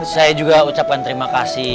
saya juga ucapkan terima kasih